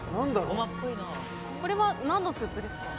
これは何のスープですか？